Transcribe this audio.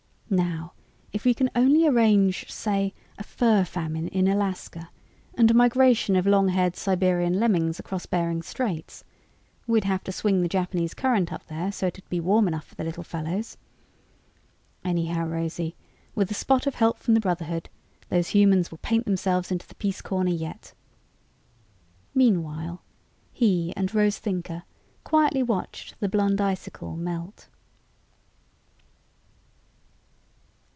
Now if we can only arrange, say, a fur famine in Alaska and a migration of long haired Siberian lemmings across Behring Straits ... we'd have to swing the Japanese Current up there so it'd be warm enough for the little fellows.... Anyhow, Rosie, with a spot of help from the Brotherhood, those humans will paint themselves into the peace corner yet." Meanwhile, he and Rose Thinker quietly watched the Blonde Icicle melt.